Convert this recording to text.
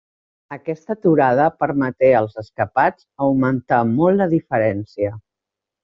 Aquesta aturada permeté als escapats augmentar molt la diferència.